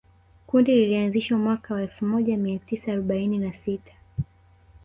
Kundi lilianzishwa mwaka wa elfu moja mia tisa arobaini na sita